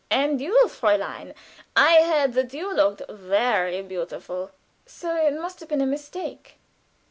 And you, Fräulein I heard that you looked very beautiful." "So! It must have been a mistake."